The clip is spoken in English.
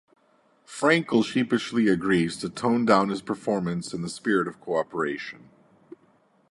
Frenkle sheepishly agrees to tone down his performance in the spirit of cooperation.